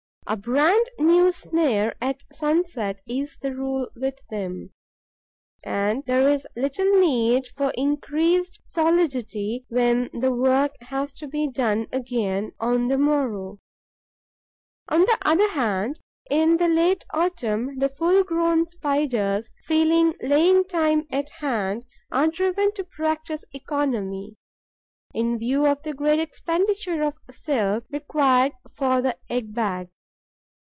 A brand new snare at sunset is the rule with them. And there is little need for increased solidity when the work has to be done again on the morrow. On the other hand, in the late autumn, the full grown Spiders, feeling laying time at hand, are driven to practise economy, in view of the great expenditure of silk required for the egg bag.